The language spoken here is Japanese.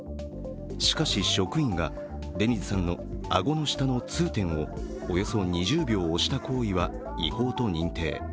しかし職員がデニズさんの顎の下の痛点をおよそ２０秒押した行為は違法と認定。